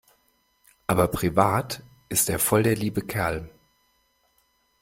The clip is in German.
Aber privat ist er voll der liebe Kerl.